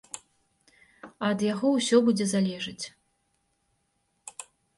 А ад яго ўсё будзе залежаць.